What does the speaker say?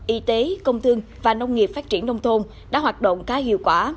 y tế công thương và nông nghiệp phát triển nông thôn đã hoạt động khá hiệu quả